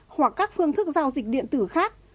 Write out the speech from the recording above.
hoặc các phương thức giao dịch điện tử khác